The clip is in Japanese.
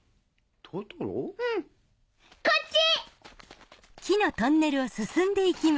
うん。こっち！